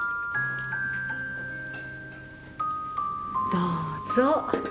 どうぞ。